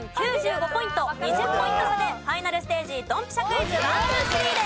２０ポイント差でファイナルステージドンピシャクイズ１・２・３です。